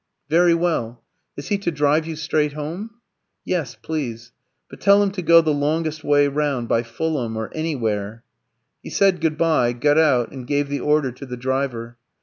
"Very well. Is he to drive you straight home?" "Yes, please. But tell him to go the longest way round, by Fulham or anywhere." He said good bye, got out, and gave the order to the driver.